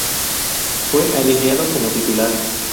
Fue alineado como titular.